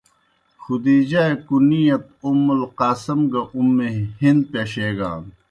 خدیجہؓ اےْ کُنیت ”اُمُّ القاسم“ گہ “اُمّ ہند“ پشیگان۔